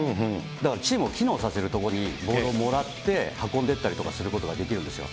だからチームを機能させるところにボールをもらって運んでいったりすることとかできるんですよ。